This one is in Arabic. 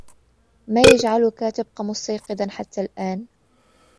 ما يجعلك تبقى مستيقظاً حتى الآن ؟